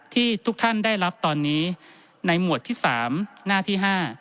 ทุกท่านได้รับตอนนี้ในหมวดที่๓หน้าที่๕